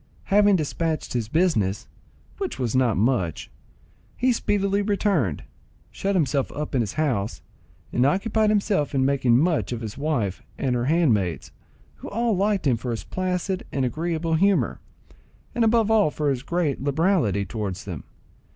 Having despatched his business, which was not much, he speedily returned, shut himself up in his house, and occupied himself in making much of his wife and her handmaids, who all liked him for his placid and agreeable humour, and above all for his great liberality towards them.